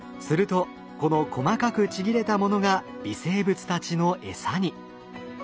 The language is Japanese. するとこの細かくちぎれたものが微生物たちの餌に。